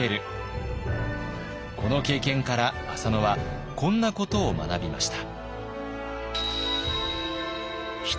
この経験から浅野はこんなことを学びました。